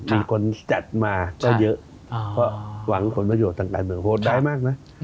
มีคนจัดมาก็เยอะเพราะหวังผลประโยชน์ทางการเมืองโหดร้ายมากนะ